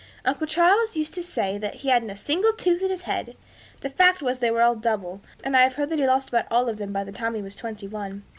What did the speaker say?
Uncle Charles used to say that he hadn't a single tooth in his head. The fact was they were all double, and I have heard that he lost about all of them by the time he was twenty one.